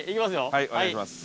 はいお願いします。